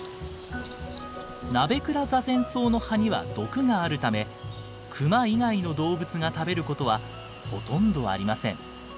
ナベクラザゼンソウの葉には毒があるためクマ以外の動物が食べることはほとんどありません。